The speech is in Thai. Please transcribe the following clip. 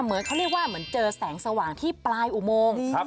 เหมือนเขาเรียกว่าเหมือนเจอแสงสว่างที่ปลายอุโมง